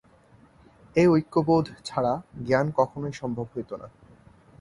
এই ঐক্যবোধ ছাড়া জ্ঞান কখনও সম্ভব হইত না।